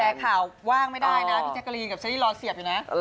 อย่าบอกแชร์ข่าวว้างไม่ได้พิแจกรีนกับฉลินล้อเซียบอยู่แล้ว